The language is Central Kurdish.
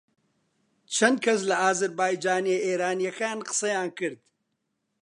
چەند کەس لە ئازەربایجانییە ئێرانییەکان قسەیان کرد